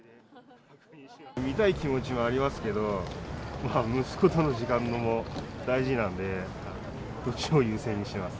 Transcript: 見たい気持ちはありますけど、息子との時間も大事なんで、そっちを優先します。